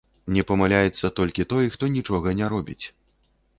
Не памыляецца толькі той, хто нічога не робіць.